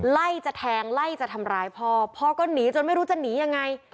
ไล่จะแทงไล่จะทำร้ายพ่อพ่อก็หนีจนไม่รู้จะหนียังไง